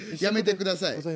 やめてください。